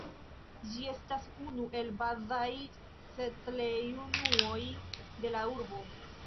Ĝi estas unu el bazaj setlejunuoj de la urbo.